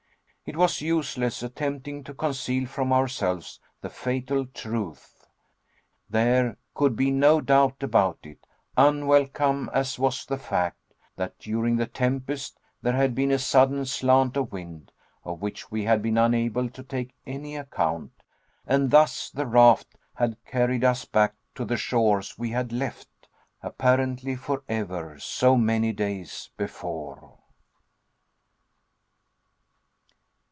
It was useless attempting to conceal from ourselves the fatal truth. There could be no doubt about it, unwelcome as was the fact, that during the tempest, there had been a sudden slant of wind, of which we had been unable to take any account, and thus the raft had carried us back to the shores we had left, apparently forever, so many days before!